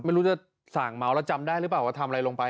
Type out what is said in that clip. ไม่รู้จะสั่งเมาแล้วจำได้หรือเปล่าว่าทำอะไรลงไป